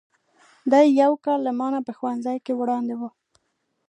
دی یو کال له ما نه په ښوونځي کې وړاندې و.